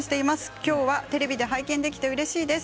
きょうはテレビで拝見できてうれしいです。